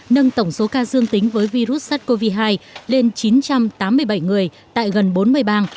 nâng tổng số ca dương tính với virus sars cov hai lên chín trăm tám mươi bảy người tại gần bốn mươi bang